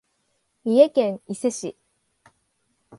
三重県伊勢市